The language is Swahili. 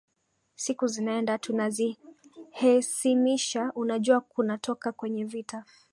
siku zinaenda tunazihesimisha unajua kunatoka kwenye vita